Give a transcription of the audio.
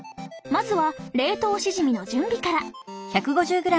まずは冷凍しじみの準備から。